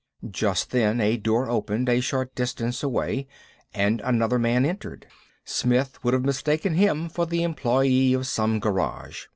Just then a door opened a short distance away and another man entered. Smith would have mistaken him for the employee of some garage.